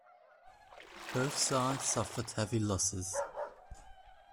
Both sides suffered heavy losses.